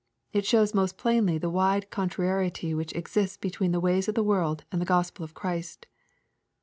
It shows most plainly the wide con trariety which exists between the ways of the world and the Gospel of Christ.